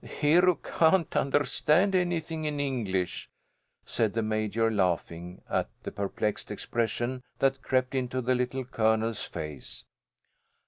"Hero can't understand anything in English," said the Major, laughing at the perplexed expression that crept into the Little Colonel's face.